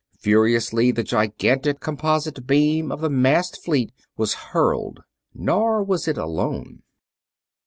Furiously the gigantic composite beam of the massed fleet was hurled, nor was it alone.